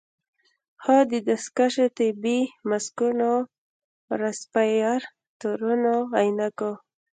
خو د دستکشو، طبي ماسکونو، رسپايرتورونو، عينکو